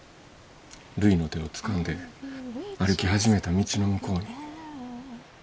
るいの手をつかんで歩き始めた道の向こうに。